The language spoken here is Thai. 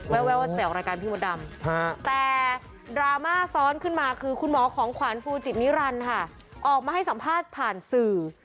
แววไปออกรายการพี่มดดำแต่ดราม่าซ้อนขึ้นมาคือคุณหมอของขวานฟูจิตนิรันดิ์ค่ะออกมาให้สัมภาษณ์ผ่านสื่อ